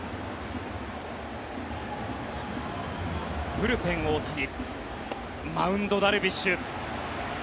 ブルペン、大谷マウンド、ダルビッシュ。